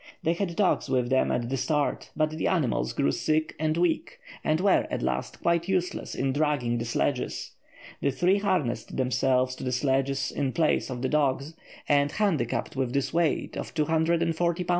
They had dogs with them at the start, but the animals grew sick and weak, and were, at last, quite useless in dragging the sledges. The three harnessed themselves to the sledges in place of the dogs, and, handicapped with this weight of 240 lbs.